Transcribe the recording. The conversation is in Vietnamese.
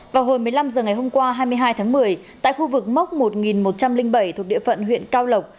vào hồi một mươi năm h ngày hôm qua hai mươi hai tháng một mươi tại khu vực mốc một một trăm linh bảy thuộc địa phận huyện cao lộc